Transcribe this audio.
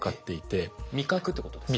味覚ってことですか？